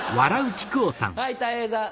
はいたい平さん。